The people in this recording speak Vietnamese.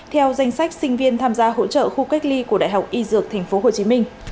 theo danh sách sinh viên tham gia hỗ trợ khu cách ly của đại học y dược tp hcm